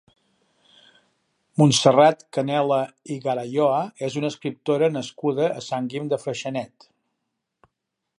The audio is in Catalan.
Montserrat Canela i Garayoa és una escriptora nascuda a Sant Guim de Freixenet.